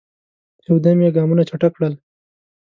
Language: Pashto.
یو دم یې ګامونه چټک کړل.